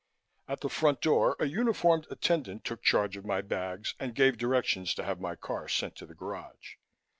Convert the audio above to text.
At the front door, a uniformed attendant took charge of my bags and gave directions to have my car sent to the garage.